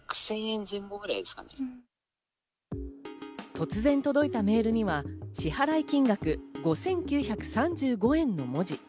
突然届いたメールには支払い金額５９３５円の文字。